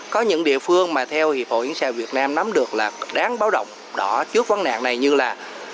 có những địa phương mà theo hiệp hội hiến sào việt nam nắm được là đáng báo động đỏ trước vấn nạn này như là